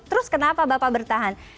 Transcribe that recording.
terus kenapa bapak bertahan